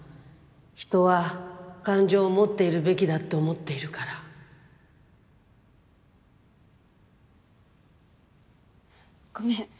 人は感情を持っているべきだと思っているからごめん。